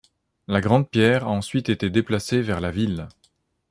La grande pierre a ensuite été déplacée vers la ville.